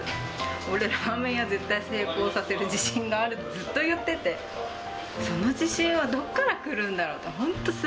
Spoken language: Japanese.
俺、ラーメン屋、絶対成功させる自信があると、ずっと言ってて、その自信はどっから来るんだろうと。